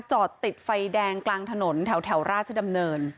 จอดติดไฟแดงกลางถนนแถวราชดำเนิน